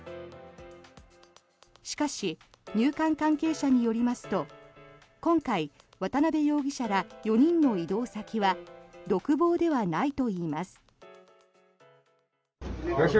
しかし、入管関係者によりますと今回、渡邉容疑者ら４人の移動先は独房ではないといいます。